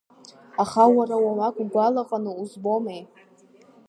Аха уара уамак угәалаҟаны узбомеи?